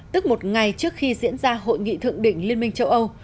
tức một ngày trước khi diễn ra hội nghị thượng đỉnh liên minh châu âu